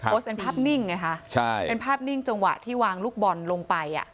โพสต์เป็นภาพนิ่งไงคะใช่เป็นภาพนิ่งจังหวะที่วางลูกบอลลงไปอ่ะ